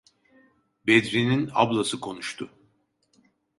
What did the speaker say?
Bedri’nin ablası konuştu.